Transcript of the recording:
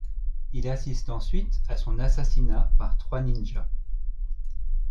Il assiste ensuite à son assassinat par trois ninjas.